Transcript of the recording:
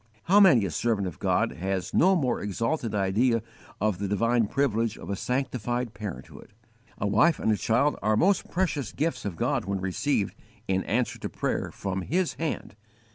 How many a servant of God has no more exalted idea of the divine privilege of a sanctified parenthood! A wife and a child are most precious gifts of God when received, in answer to prayer, from His hand.